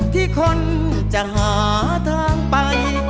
ที่คนจะหาทางไป